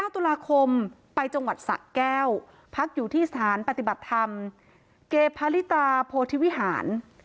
๙ตุลาคมไปจังหวัดสะแก้วพักอยู่ที่สถานปฏิบัติธรรมเกพาลิตาโพธิวิหาร